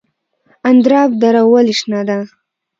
اندراب دره ولې شنه ده؟